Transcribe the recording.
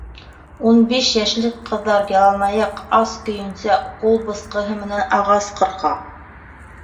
Ун биш йәшлек ҡыҙҙар яланаяҡ, ас көйөнсә ҡул бысҡыһы менән ағас ҡырҡа.